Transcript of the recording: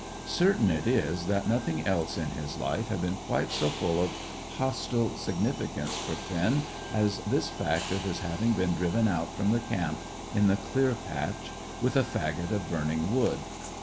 Certain it is that nothing else in his life had been quite so full of hostile significance for Finn as this fact of his having been driven out from the camp in the clear patch with a faggot of burning wood.